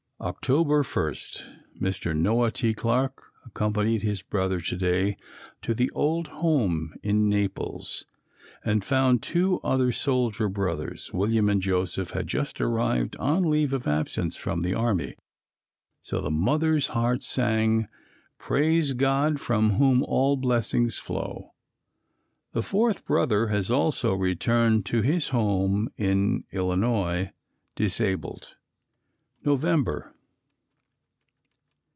October 1. Mr. Noah T. Clarke accompanied his brother to day to the old home in Naples and found two other soldier brothers, William and Joseph, had just arrived on leave of absence from the army so the mother's heart sang "Praise God from whom all blessings flow." The fourth brother has also returned to his home in Illinois, disabled. _November.